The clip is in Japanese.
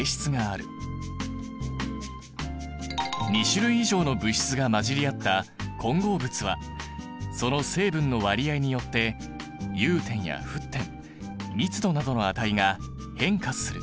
２種類以上の物質が混じり合った混合物はその成分の割合によって融点や沸点密度などの値が変化する。